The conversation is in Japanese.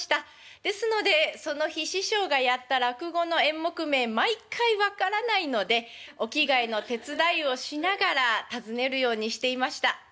ですのでその日師匠がやった落語の演目名毎回分からないのでお着替えの手伝いをしながら尋ねるようにしていました。